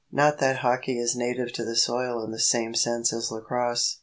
Not that hockey is native to the soil in the same sense as lacrosse.